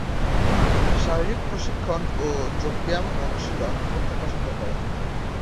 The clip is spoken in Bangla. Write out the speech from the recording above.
শারীরিক প্রশিক্ষণ ও যোগব্যায়াম অনুশীলন করতে পছন্দ করেন।